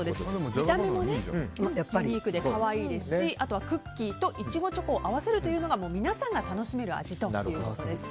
見た目もユニークで可愛いですしあとはクッキーとイチゴチョコを合わせるというのが皆さんが楽しめる味ということです。